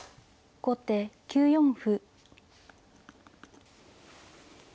後手５四歩。